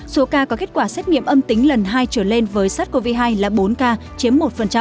số ca có kết quả xét nghiệm âm tính lần hai trở lên với sars cov hai là bốn ca chiếm một